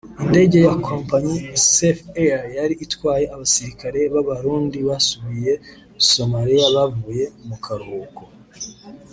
Indege ya kompanyi Safe Air yari itwaye abasirikare b’abarundi basubiye Somalia bavuye mu karuhuko